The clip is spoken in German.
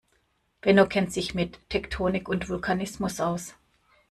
Benno kennt sich mit Tektonik und Vulkanismus aus.